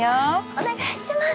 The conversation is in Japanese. お願いします。